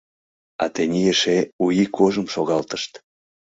А тений эше У ий кожым шогалтышт.